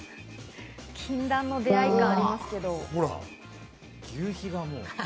禁断の出あい感ありますけど。